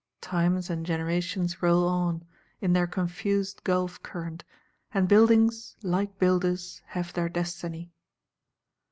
Times and generations roll on, in their confused Gulf current; and buildings like builders have their destiny.